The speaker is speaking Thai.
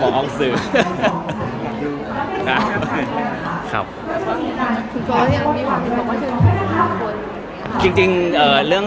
อเจมส์ออกไว้กับท่านเดิม